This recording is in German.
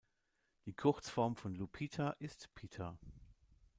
Die Kurzform von Lupita ist Pita.